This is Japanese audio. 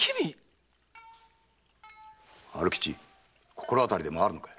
⁉春吉心当たりでもあるのか？